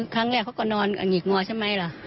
ครั้งแรกเขาก็นอนหงิกงอใช่ไหมล่ะ